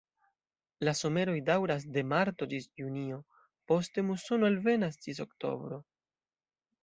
La someroj daŭras de marto ĝis junio, poste musono alvenas ĝis oktobro.